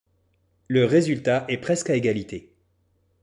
Le résultat est presque à égalité.